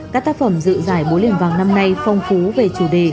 các tác phẩm dự giải bối liền vàng năm nay phong phú về chủ đề